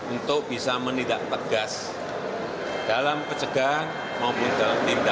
untuk bisa menindak tegas dalam pencegahan maupun dalam tindakan